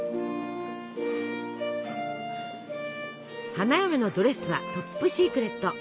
花嫁のドレスはトップシークレット。